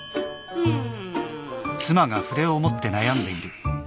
うん？